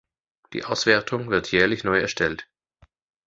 Die Auswertung wird jährlich neu erstellt.